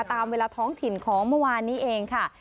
ตามเวลาท้องถิ่นของเมื่อวานนี้เองค่ะ